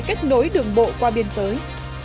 để kết nối đường bộ qua biên giới